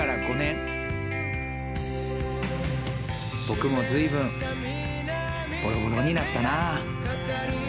僕も随分ボロボロになったなあ。